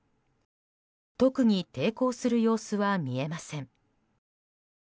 特に抵抗する様子は見えません。